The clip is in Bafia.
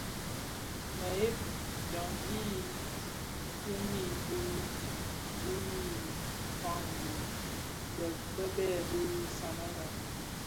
Mëdheb: dyandi i kimii bi duň yi fan dhi bibek bi Sananga.